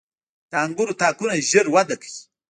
• د انګورو تاکونه ژر وده کوي.